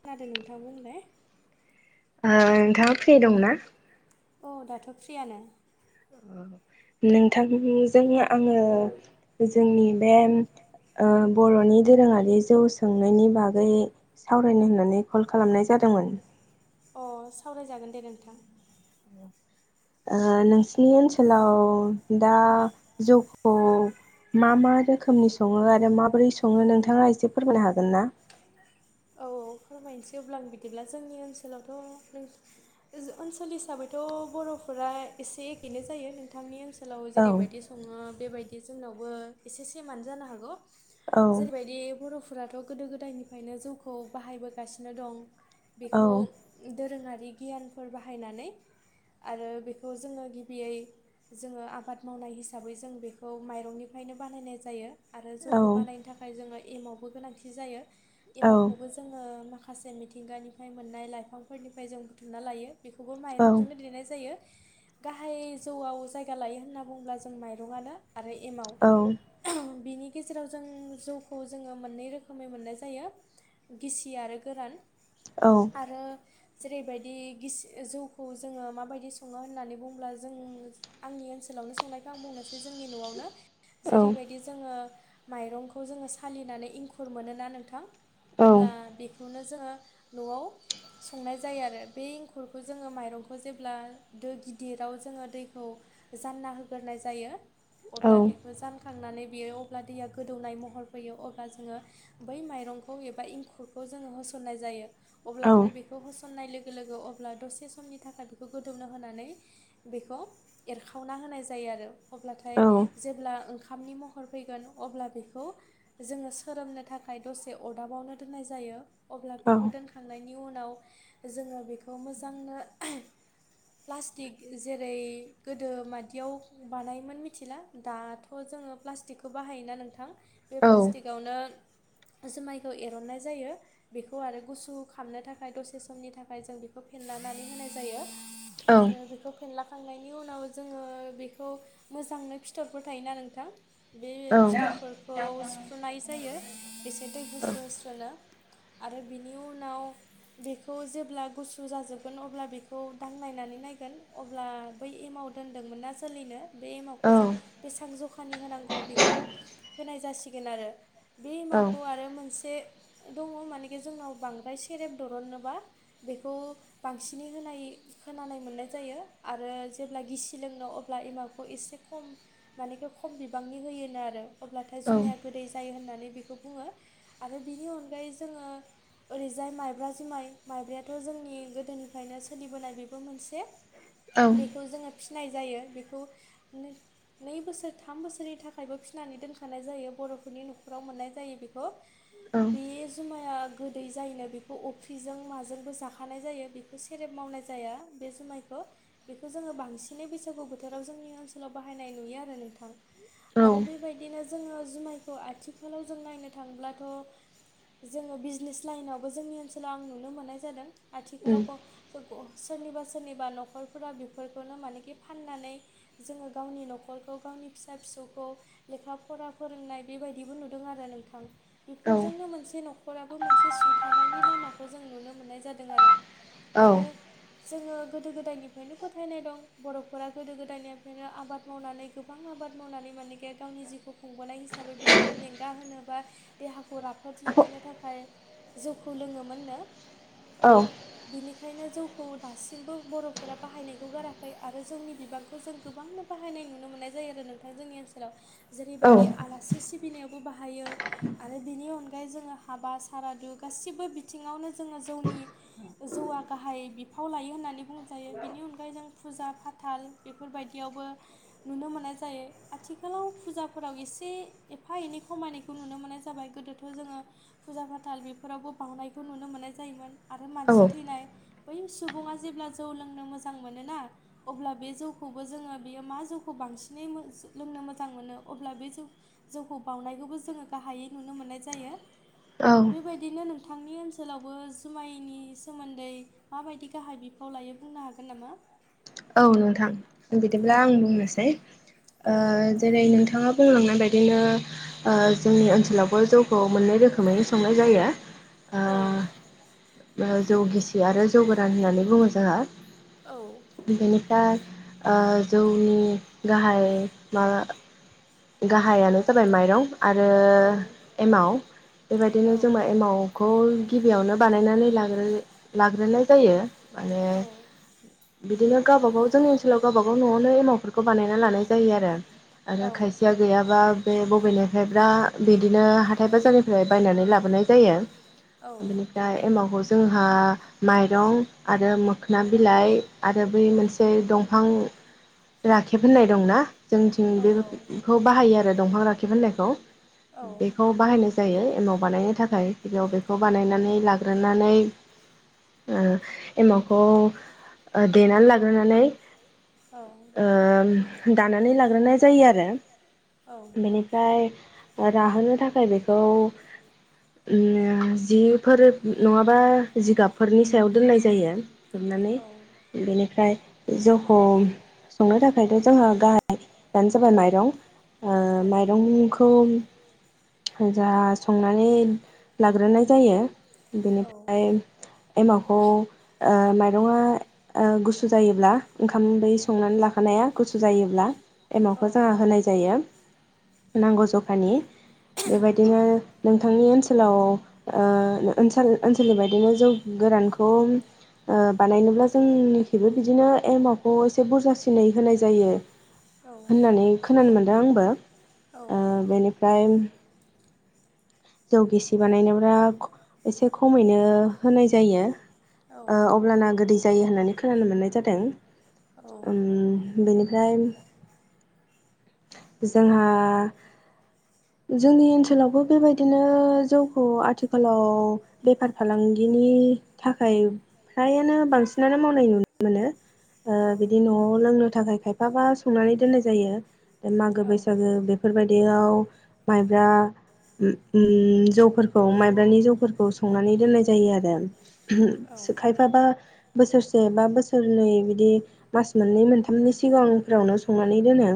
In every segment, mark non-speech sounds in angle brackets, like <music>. खोनादों नोंथां बुंलाय ओ नोंथाङा फ्रि दंना? औ दाथ' फ्रियानो नोंथांजों आङो जोंनि बे ओ बर'नि दोरोङारि जौ संनायनि बागै सावरायनो होननानै कल खालामनाय जादोंमोन। अ सावरायजागोन दे नोंथां। ओ नोंसिनि ओनसोलाव दा जौखौ मा मा रोखोमनि सङो आरो माबोरै सङो नोंथाङा एसे फोरमायनो हागोन ना। औ फोरमायनोसै अब्ला आं बिदिब्ला जोंनि ओनसोलावथ' नों ओनसोल हिसाबैथ' बर'फोरा एसे एखेनो जायो नोंथांनि ओन सोलाव औ जेरैबायदि सङो बेबायदि जोंनावबो एसे सेमानो जानो हागौ। औ जेरैबायदि बर'फोराथ' गोदो गोदायनिफ्रायनो जौखौ बाहायबोगासिनो दं। औ बेखौ दोरोङारि गियानफोर बाहायनानै आरो बेखौ जोंङो गिबियै जोंङो आबाद मावनाय हिसाबै जों बेखौ माइरंनिफ्रायनो बानायनाय जायो। आरो औ जौखौ बानायनो थाखाय जोंङो एमावबो गोनांथि जायो औ एमावखौबो जोंङो माखासे मिथिंगानिफ्राय मोननाय लाइफांफोरनिफ्राय जों बुथुमना लायो। बेखौबो औ माइरंजोंनो देनाय जायो। गाहाय जौआव जायगा लायो होनना बुङोब्ला जों माइरंआनो आरो एमाव। औ बिनि गेजेराव जों जौखौ जोंङो मोननै रोखोमै मोननाय जायो। गिसि आरो गोरान औ आरो जेरैबायदि गिसि जौखौ जोंङो माबायदि सङो होननानै बुङोब्ला जों आंनि ओनसोलावनो संनायखौ आं बुंनोसै जोंनि न'आवनो औ जेरैबायदि जोंङो मायरंखौ जोंङो सालिनानै इंखुर मोनोना नोंथां अब्ला बे खौनो जोंङो न'आव संनाय जायो आरो बे एंखुरखौ जोंङो माइरंखौ जेब्ला दो गिदिराव जोंङो दैखौ जानना होग्रोनाय जायो औ अब्ला बेखौ जान खांनानै बेयो अब्ला दैया गोदौनाय महर फैयो अब्ला जोंङो बै माइरंखौ एबा इंखुर खौ जोंङो होसननाय जायो अब्लाथाय बे खौ होसननाय लोगो लोगो अब्ला दसे समनि थाखाय बेखौ गोदौनो होनानै बेखौ एरखावना होनाय जायो आरो अब्लाथाय जेब्ला ओंखामनि म हर फैगोन अब्ला बेखौ जोंङो सोरोमनो थाखाय दसे अरदाबावनो दोननाय जायो। अब्ला बेखौ दोनखांनायनि उनाव जोंङो बेखौ मोजांनो प्लास्टिक जेरै गोदो मादियाव बानायोमोन मिथिला दाथ' जोंङो प्लास्टिकखौ बाहायोना नोंथां बे औ प्लास्टिकआवनो जुमायखौ एरननाय जायो। बेखौ आरो गुसु खामनो थाखाय दसे समनि थाखाय जों बेखौ फेनलानानै होनाय जायो। औ आरो बेखौ फेनलाखांनायनि उनाव जोङो बेखौ मोजांनो फिथरफोर थायोना नोंथां बे औ फिथरफोरखौ सिफ्रुनाय जायो एसे दै औ होस्रो होस्रोनो <inaudible> आरो बिनि उनाव बेखौ जेब्ला गुसु जाजोबगोन अब्ला बेखौ दांनायनानै नायगोन अब्ला बै एमाव दोनदोंमोन ना सोलिनो बे एमावखौ जे बेसेबां जखानि होनांगौ बेखौ होनाय जासिगोनआरो। बे एमावखौ आरो मोनसे दङ मानेखि जोंनाव बांद्राय सेरेब दुरननोबा बेखौ बांसिनै होनाय खोनानाय मोननाय जायो आरो जेब्ला गिसि लोंनो अब्ला एमावखौ एसे खम माने खम बिबांनि होयोनो आरो अब्लाथाय जुमाया गोदै जायो होननानै बेखौ बुङो आरो बिनि अनगायै जोङो ओरैजाय माइब्रा जुमाइ माइब्रायाथ' जोंनि गोदोनिफ्रायनो सोलिबोनाय बेबो मोनसे <inaudible> बेखौ जोङो फिनाय जायो बेखौ नै बोसोर थाम बोसोरनि थाखायबो फिसिनानै दोनखानाय जायो बर'फोरनि न'खराव मोननाय जायो बेखौ औ बे जुमाया गोदै जायोनो बेखौ अफ्रिजों माजोंबो जाखानाय जायो। बेखौ सेरेब मावनाय जाया बे जुमायखौ बेखौ जोङो बांसिनै बैसागु बोथोराव जोंनि ओनसोलाव बाहायनाय नुयो आरो नोंथां। आरो बेबायदिनो जोङो जुमायखौ आथिखालाव जों नायनो थांब्लाथ' जोङो बिजनेस लाइनावबो जोंनि ओनसोलाव आं नुनो मोननाय जादों आथिखालाव सोरनिबा सोरनिबा न'खरफोरा बेफोरखौनो मानेके फाननानै जोङो गावनि न'खरखौ गावनि फिसा फिसौखौ लेखा फरा फोरोंनाय बेबायदिबो नुदों आरो नोंथां बेफोरजोंनो मोनसे न'खराबो मोनसे सुंथानायनि लामाखौ जों नुनो मोननाय जादों आरो आरो जोङो गोदो गोदायनिफ्रायनो फोथायनाय दं बर'फोरा गोदो गोदायनिफ्रायनो आबाद मावनानै गोबां आबाद मावनानै मानेके गावनि जिउखौ खुंबोनाय हिसाबै बिसोरो मेंगा होनोबा देहाखौ राफोद लाखिनो थाखाय जौखौ लोङोमोननो औ बेनिखायनो जौखौ दासिमबो बर'फोरा बाहायनायखौ गाराखै आरो जौनि बिबां खौ जों गोबांनो बाहायनाय नुनो मोननाय जायो आरो नोंथां जोंनि ओनसोलाव जेरैबायदि आलासि सिबिनायावबो बाहायो आरो बेनि अनगायै जोङो हाबा सारादु गासिबो बिथिङावनो जोङो जौनि जौवा गाहाय बिफाव लायो होननानै बुंजायो बिनि अनगायै जों फुजा फाथाल बेफोरबायदियावबो नुनो मोननाय जायो आथिखालाव फुजाफोराव एसे एफा एनै खमायनाय खौ नुनो मोननाय जाबाय गोदोथ' जोङो फुजा फाथाल बेफोरावबो बावनायखौ नुनो मोननाय जायोमोन आरो मानसि औ थैनाय बै सुबुङा जेब्ला जौ लोंनो मोजां मोनोना अब्ला बे जौखौबो जोङो बेयो मा जौखौ बांसिनै लोंनो मोजां मोनो अब्ला बे जौ जौखौ बावनायखौबो जोङो गाहायै नुनो मोननाय जायो। औ बेबायदिनो नोंथांनि ओनसोलावबो जुमायनि सोमोन्दै माबायदि गाहाय बिफाव लायो बुंनो हागोन नामा? औ नोंथां बिदिब्ला औ आं बुंनोसै औ ओ जेरै नोंथाङा बुंलांनाय बायदिनो ओ जोंनि ओनसोल लावबो जौखौ मोननै रोखोमैनो संनाय जायो। ओ औ ओ जौ गिसि आरो जौ गोरान होननानै बुङो जोंहा औ बेनिफ्राय ओ जौनि गाहाय माबा गाहायानो जाबाय माइरं आरो औ एमाव बेबायदिनो औ जोमाय एमावखौ गिबियावनो बानायनानै लाग्रो लाग्रोनाय जायो। माने औ बिदिनो गावबा गाव जोंनि ओनसोलाव गावबागाव न'वावनो एमावफोरखौ बानायना लानाय जायो आरो आरो औ खाय गैयाबा बे बबेनायफ्रायब्रा बिदिनो हाथाइ बाजारनिफ्राय बायनानै लाबोनाय जायो बिनिफ्राय एमावखौ जोंहा माइरं आरो मोखोना बिलाइ आरो बै मोनसे दंफां राखेब होननाय दंना जोंथिं बेखौ बाहायो आरो दंफां राखेब होननायखौ बेखौ बाहायनाय जायो एमाव बानायनो थाखाय गिबियाव बेखौ बानायनानै लाग्रोनानै ओ एमावखौ ओ देनानै लाग्रोनानै औ ओ दानानै लाग्रोनाय जायो आरो। बेनिफ्राय राहोनो थाखाय बेखौ उम जि फोर नङाबा जिगाबफोरनि सायाव दोननाय जायो हुरनानै। बेनिफ्राय जौखौ संनो थाखायथ' जोंहा गाहायानो जाबाय माइरं। ओ माइरंखौ जा संनानै लाग्रोनाय जायो बेनिफ्राय एमावखौ ओ माइरंआ ओ गुसु जायोब्ला ओंखाम बै संनानै लाखानाया गुसु जायो ब्ला एमावखौ जोंहा होनाय जायो नांगौ जखानि बेबायदिनो नोंथांनि ओनसोलाव ओ ओनसोल ओनसोलनि बायदिनो जौ गोरानखौ ओ बानायनोब्ला जोंनिखिबो बिदिनो एमावखौ एसे बुरजासिनै होनाय जायो। औ। होननानै खोनानो मोन्दों आंबो ओ बेनिफ्राय जौ गिसि बानायनोब्रा एसे खमैनो होनाय जायो। ओ अब्लाना गोदै जायो होननानै खोनानो मोननाय जादों उम बेनिफ्राय जोंहा जोंनि ओनसोलावबो बेबायदिनो जौखौ आथिखालाव बेफार फालांगिनि थाखाय फ्रायानो बांसिनानो मावनाय नुनो मोनो। ओ बिदि न'आव लोंनो थाखाय खायफाबा संनानै दोननाय जायो बे मागो बैसागो बेफोरबायदियाव माइब्रा उम उम जौफोरखौ माइब्रानि जौफोरखौ संनानै दोननाय जायो आरो। खायफाबा बोसोरसे बा बोसोरनै बिदि मास मोननै मोनथामनि सिगांफ्रावनो संनानै दोनो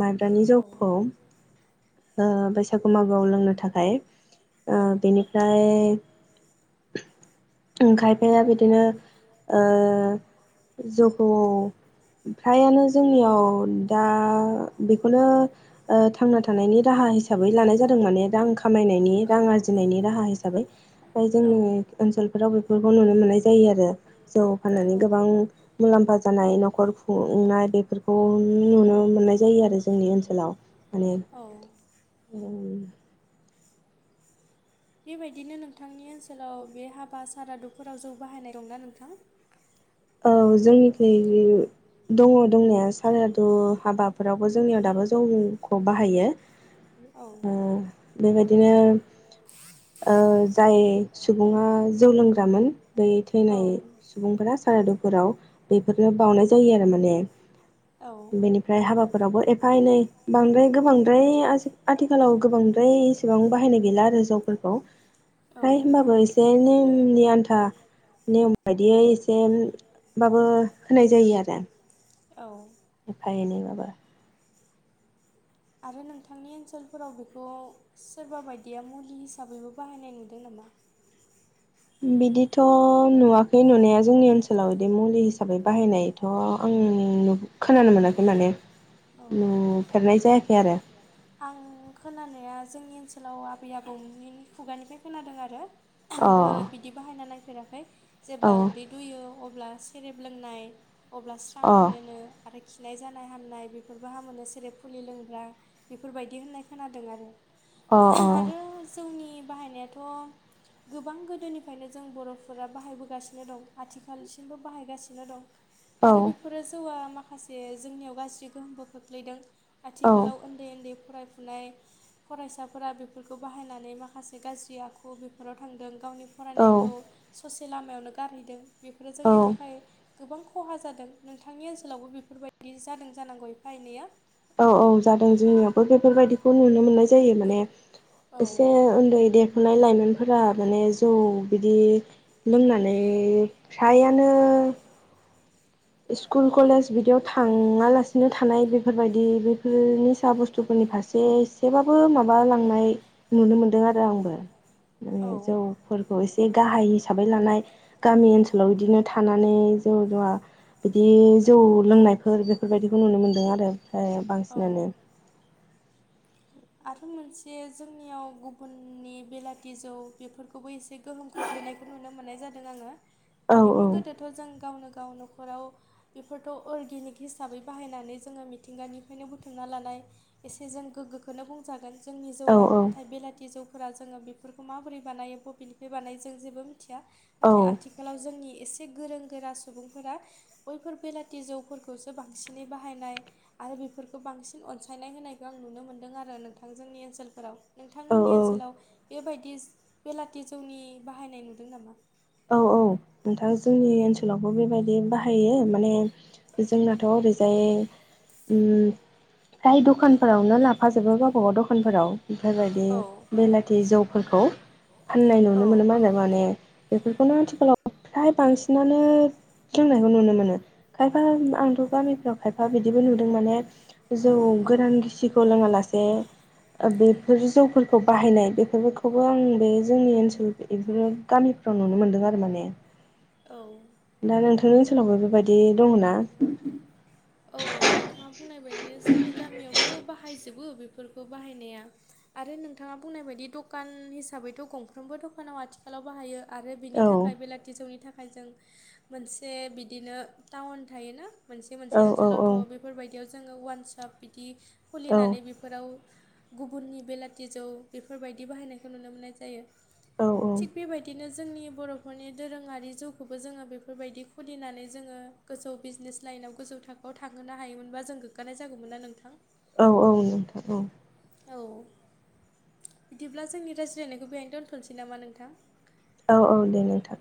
माइब्रानि जौखौ। ओ बैसागु मागोआव लोंनो थाखाय ओ बेनिफ्राय उम खायफाया बिदिनो ओ जौखौ फ्रायानो जोंनियाव दा बेखौनो ओ थांना थानायनि राहा हिसाबै लानाय जादों माने दा आं खामायनायनि रां आरजिनायनि राहा हिसाबै फ्राय जों ओनसोलफोराव बेफोरखौ नुनो मोननाय जायो आरो जौ फाननानै औ गोबां मुलाम्फा जानाय न'खर खुंनाय बेफोरखौ नुनो मोननाय जायो आरो जोंनि ओनसोलाव माने औ औ उम बेबायदिनो नोंथांनि ओनसोलाव बे हाबा सारादुफोराव जौ बाहायनाय दंना नोंथां? औ जोंनिखै दङ दंनाया सारादु हाबाफोरावबो जोंनियाव दाबो जौखौ बाहायो। औ <inaudible> बेबादिनो जाय सुबुङा जौ लोंग्रामोन। बै औ थैनाय सुबुंफोरा सारादुफोराव बेफोरनो बउनाय जायो आरो माने औ बेनि ओमफ्राय हाबाफोरावबो एफा एनै बांद्राय गोबांद्राय आजि-आथिखालाव गोबांद्राय एसेबां बाहायनाय गैला आरो जौफोरखौ औ फ्राय होमबाबो एसे नेमनि आन्था नेम बायदियै एसे एम बाबो होनाय जायो आरो। औ। एफा एनै माबा आरो नोंथांनि ओनसोलफोराव बेखौ सोरबा बायदिया मुलि हिसाबैबो बाहायनाय नुदों नामा? बिदिथ' नुवाखै नुनाया। जोंनि ओनसोलाव बिदि मुलि हिसाबै बाहायनाय। थ' आं न खोनानो मोनाखै माने। औ नुफेरनाय जायाखै आरो आं खोनानाया जोंनि ओनसोलाव आबै आबौनि खुगानिफ्राय खोनादों आरो अ आंबो बिदि बाहायना नायफेराखै? औ जेब्ला उदै दुयो अब्ला सेरेब लोंनाय अब्ला स्रां अ मोनोनो? आरो खिनाय जानाय हामनाय बेफोरबो हामोनो सेरेब फुलि लोंब्ला बेफोरबायदि होननाय खोनादों आरो अ अ आरो जोंनि बाहायनायाथ' गोबां गोदोनिफ्रायनो जों बर'फोरा बाहायबोगासिनो दं। आथिखालसिमबो बाहायगासिनो दं। औ आरो बेफोरो जौआ माखासे जोंनियाव गाज्रि गोहोमबो खोख्लैदों। आथिखालाव उन्दै उन्दै फरायफुनाय फरायसाफोरा बेफोरखौ बाहायनानै माखासे गाज्रि आखु बेफोराव थांदों। गावनि औ फरायनायखौ ससे लामायावनो गारहैदों। बेफोरो जोंनि औ थाखाय गोबां खहा जादों। नोंथांनि ओनसोलावबो बेफोरबायदि जादों जानांगौ एफा एनैया। औ औ जादों जोंनियावबो बेफोरबायदि खौ नुनो मोननाय जायो माने औ एसे उन्दै दे दख'नाय लाइमोनफोरा माने जौ बिदि लोंनानै फ्रायानो स्कुल कलेज बिद थाङालासिनो थानाय बेफोरबायदि बेफोरनि निसाह बुस्थुफोरनि फारसे एसेबाबो माब लांनाय नुनो मोनदों आरो आंबो। औ माने जौफोरखौ एसे गाहाय हिसाबै लानाय गामि ओनसोलाव बिदिनो थानानै जौ' जुया बिदि जौ लोंनायफोर बेफोरबायदिखौ नुनो मोन्दों आरो ओमफ्राय बांसिनानो औ आरो मोनसे जोंनियाव गुबुननि बेलाथि जौ बेफोरखौबो एसे गोहोम खोख्लैनायखौ नुनो मोननाय जादों आङो। औ औ मानखि गोदोथ' जों गावनो गाव न'खराव बेफोरथ' अर्गेनिक हिसाबै बाहायनानै जोङो मिथिंगानिफ्रायनो बुथुमना लानाय एसे जों गोग्गोखौनो बुंजागोन। जोंनि औ जौआ नाथाय बेलाथि जौखौ फोर जोङो बेफोरखौ माबोरै बानायो बबेनिफ्राय बानायो जों जेबो मिथिया। औ नाथाय आथिखाल आथिखालाव जोंनि एसे गोरों गोरा सुबुंफोरा बैफोर बेलााथि जौफोरखौसो बांसिनै बाहायनाय आरो बेफोरखौ बांसिन अनसायनाय होनायखौ आं नुनो मोनदों। आरो नोंथां जोंनि ओनसोलफोराव। नोंथांमोननि औ ओनसोलाव बेबायदि बेलाथि जौनि बाहायनाय नुदों नामा? औ औ नोंथां जोंनि ओनसोलावबो बेबायदि बाहायो माने जोंनाथ' <inaudible> फ्राय दखान फोरावनो लाबो थांफाजोबो गावबागाव दखानफोराव ओमफबायदि औ बेलाथि जौफोरखौ। फाननाय औ नुनो मोनोन आरो माने बेफोरखौनो आथिखालाव फ्राय बांसिनानो सोलोंनायखौ नुनो मोनो खायफा आंथ' गामिफ्राव खायफा बिदिबो नुदों माने जौ औ गोरान गिसिखौ लोङालासे बेफोर जौफोरखौ बाहायनाय बेफोरखौबो आं बे जोंनि ओनसोल बेफोर गामि फाव नुनो मोनदों आरो माने औ। दा नोंथांनि ओनसोलावबो बेबायदि दङ ना? औ औ नोंथाङा बुंनाय बायदिनो जोंनि गामियावबो बाहायजोबो बेफोरखौ बाहायनाया। आरो नोंथाङा बुंनाय बायदि दखान हिसाबैथ' गंफ्रोमबो दखानाव आथिखालाव बाहायो। आरो बिनि औ थाखाय बेलेक जौनि थाखाय ज मोनसे बिदिनो टाउन थोन मोनसे बे औ औ औ ओनसोलावथ' बेफोरबायदियाव जोङो वानसप बिदि औ खुलिनानै बि फोराव गुबुननि बेलाथि जौ बेफोरबायदि बाहायनायखौ नुनो मोननाय जायो। औ औ थिग बेबायदिनो जोंनि बर'फोरनि दोरोङारि जौखौबो जोङो बेफोरबायदि खुलिनानै जोङो गोजौ बिजनेस लाइनाव गोजौ थाखोआव थांहोनो हायोमोनबा जों गोग्गानाय जागौमोन ना नोंथां? औ औ नोंथां औ। औ बिदिब्ला जोंनि राय्लायनायखौ बेहायनो दोनथ'नोसै नामा नोंथां? औ औ दे नोंथां।